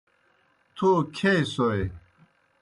تھو کِھیائیسوئے۔